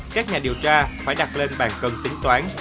các nhà điều tra phải đặt lên bàn cần tính toán